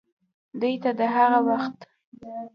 دوې ته دَ هغه وخت